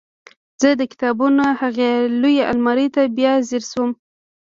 زه د کتابونو هغې لویې المارۍ ته بیا ځیر شوم